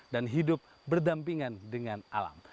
dan hidup berdampingan dengan alam